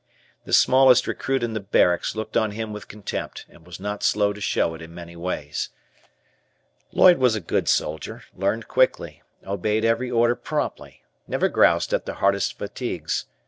The smallest recruit in the barracks looked on him with contempt, and was not slow to show it in many ways. Lloyd was a good soldier, learned quickly, obeyed every order promptly, never groused at the hardest fatigues.